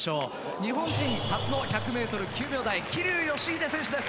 日本人初の１００ｍ９秒台桐生祥秀選手です。